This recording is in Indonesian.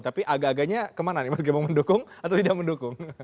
tapi agak agaknya kemana nih mas gembong mendukung atau tidak mendukung